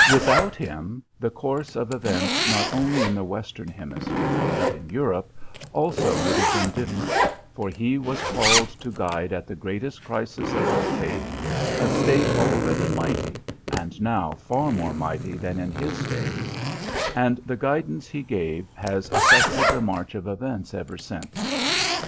Without him, the course of events not only in the Western hemisphere but in Europe also would have been different, for he was called to guide at the greatest crisis of its fate a State already mighty, and now far more mighty than in his days, and the guidance he gave has affected the march of events ever since.